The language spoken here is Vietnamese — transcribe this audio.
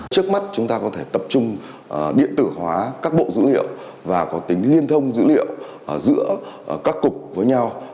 trước mắt chúng ta có thể tập trung điện tử hóa các bộ dữ liệu và có tính liên thông dữ liệu giữa các cục với nhau